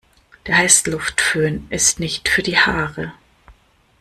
Der Heißluftföhn ist nicht für die Haare.